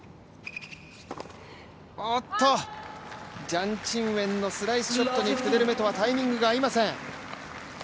ジャン・チンウェンのスライスショットにクデルメトワ、タイミングが合いません。